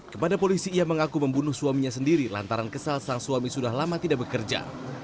kepada polisi ia mengaku membunuh suaminya sendiri lantaran kesal sang suami sudah lama tidak bekerja